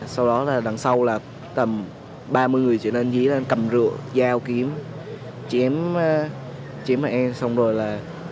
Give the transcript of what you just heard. sau đó là đằng sau là tầm ba mươi người chỉ lên dưới cầm rượu dao kiếm chiếm mấy em xong rồi là